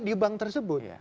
di bank tersebut